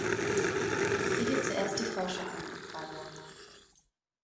Sieh dir zuerst die Vorschau an, empfahl Jana.